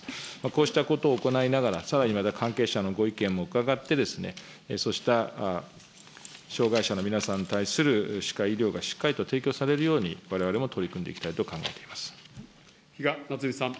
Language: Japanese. こうしたことを行いながら、さらにまた関係者のご意見も伺って、そうした障害者の皆さんに対する歯科医療がしっかりと提供されるように、われわれも取り組んでい比嘉奈津美さん。